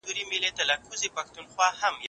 زه کولای سم درسونه اورم